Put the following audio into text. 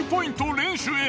連取へ。